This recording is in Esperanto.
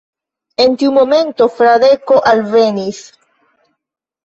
En tiu momento Fradeko alvenis.